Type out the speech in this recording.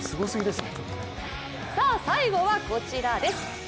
最後はこちらです。